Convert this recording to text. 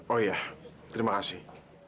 oh iya terima kasih